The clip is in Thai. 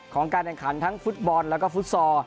การแข่งขันทั้งฟุตบอลแล้วก็ฟุตซอล